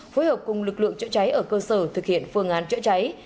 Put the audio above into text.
phối hợp cùng lực lượng chữa cháy ở cơ sở thực hiện phương án chữa cháy